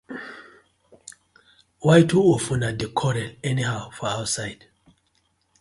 Why two of una dey quarel anyhow for ouside.